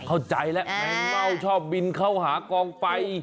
เข้าใจแล้วแมงเม่าชอบบินเข้าหากองไฟ